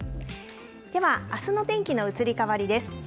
ではあすの天気の移り変わりです。